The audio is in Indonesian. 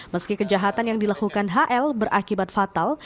meski kejahatan yang dilakukan hl berakibat fatal